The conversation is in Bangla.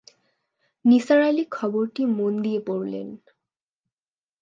নিসার আলি খবরটি মন দিয়ে পড়লেন।